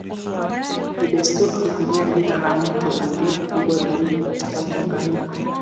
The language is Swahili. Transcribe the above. Ni desturi kutumia jina la mto ulio mkubwa zaidi katika muunganiko